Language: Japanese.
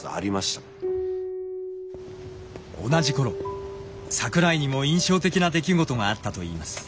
同じ頃桜井にも印象的な出来事があったといいます。